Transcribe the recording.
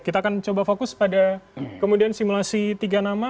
kita akan coba fokus pada kemudian simulasi tiga nama